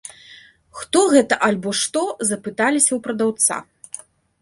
Хто гэта альбо што, запыталіся ў прадаўца.